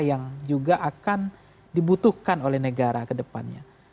yang juga akan dibutuhkan oleh negara kedepannya